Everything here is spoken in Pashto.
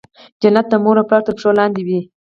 جنت د مور او پلار تر پښو لاندي دی.